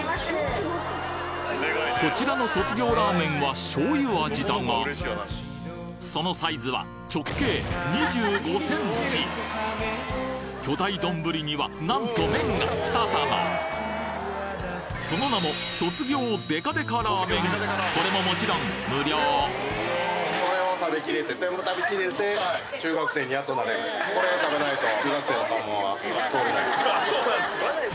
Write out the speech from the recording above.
こちらの卒業ラーメンは醤油味だがそのサイズは直径巨大丼には何と麺がその名もこれももちろん無料そうなんですか？